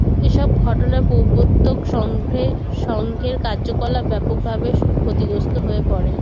এসব ঘটনায় প্রবর্তক সংঘের কার্যকলাপ ব্যাপকভাবে ক্ষতিগ্রস্ত হয়ে পড়ে।